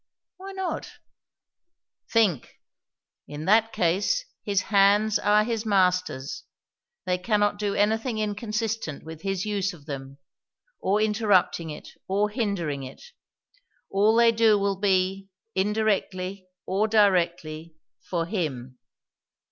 "Why not?" "Think. In that case, his hands are his Master's. They cannot do anything inconsistent with his use of them, or interrupting it, or hindering it. All they do will be, indirectly or directly, for Him."